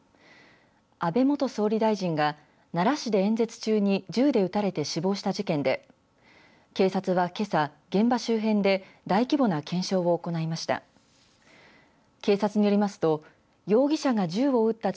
安倍元総理大臣が奈良市で演説中に銃で撃たれて死亡した事件で警察は、けさ現場周辺で大規模な検証を行いました。